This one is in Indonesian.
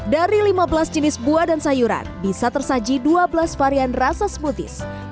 dari lima belas jenis buah dan sayuran bisa tersaji dua belas varian rasa smoothies